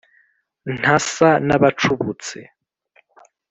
ntasa n’abacubutse